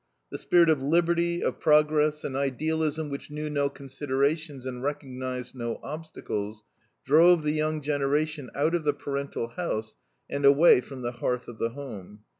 The spirit of liberty, of progress an idealism which knew no considerations and recognized no obstacles drove the young generation out of the parental house and away from the hearth of the home.